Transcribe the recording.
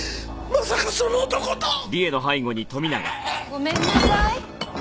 ごめんなさい。